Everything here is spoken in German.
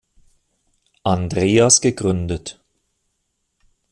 Andreas gegründet.